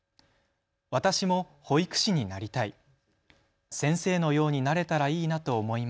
私も保育士になりたい。